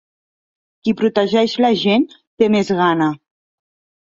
Qui protegeix la gent, té més gana.